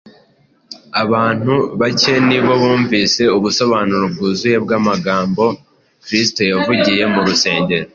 Abantu bake nibo bumvise ubusobanuro bwuzuye bw’amagambo Kristo yavugiye mu rusengero